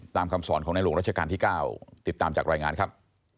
คำสอนของในหลวงรัชกาลที่๙ติดตามจากรายงานครับ